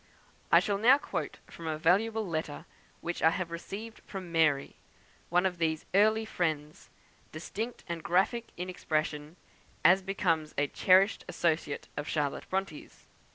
I shall now quote from a valuable letter which I have received from "Mary," one of these early friends; distinct and graphic in expression, as becomes a cherished associate of Charlotte Bronte's.